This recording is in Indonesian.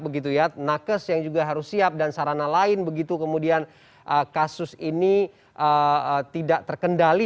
begitu ya nakes yang juga harus siap dan sarana lain begitu kemudian kasus ini tidak terkendali